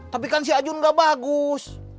tapi kan si ajun sudah bagus